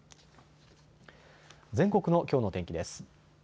全国のきょうの天気です。